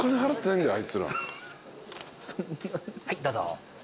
はいどうぞ。